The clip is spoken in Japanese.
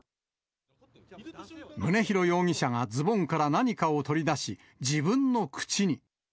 宗広容疑者がズボンから何かを取り出し、自分の口に。